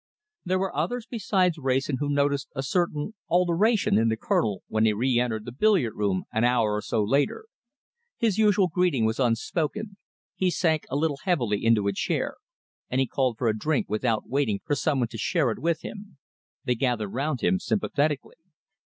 There were others besides Wrayson who noticed a certain alteration in the Colonel when he re entered the billiard room an hour or so later. His usual greeting was unspoken, he sank a little heavily into a chair, and he called for a drink without waiting for some one to share it with him. They gathered round him sympathetically.